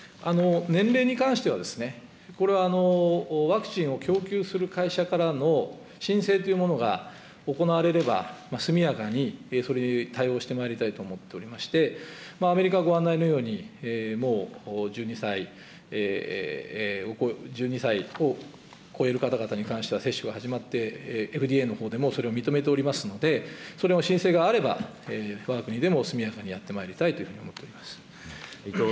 年齢に関しては、これはワクチンを供給する会社からの申請というものが行われれば、速やかにそれに対応してまいりたいと思っておりまして、アメリカはご案内のように、もう１２歳を超える方々に関しては、接種が始まって、ＦＤＡのほうでもそれを認めておりますので、それの申請があれば、わが国でも速やかにやってまいりたいと思います。